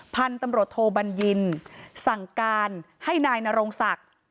พันธุ์ตำรวจโทบัญญินสั่งการให้นายนโรงศักดิ์